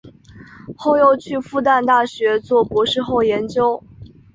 后又去复旦大学做博士后研究。